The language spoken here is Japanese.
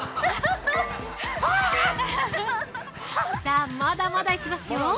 さあ、まだまだいきますよ。